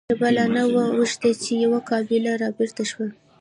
شېبه لا نه وه اوښتې چې يوه قابله را بېرته شوه.